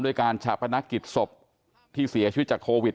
การชาปนักกิจศพที่เสียชีวิตจากโควิด